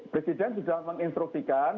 presiden sudah menginterviewkan